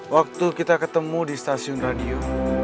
waktu kita ketemu di stasiun radio